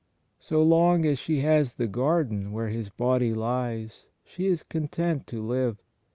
So long as she has the garden where His Body lies, she is content to live.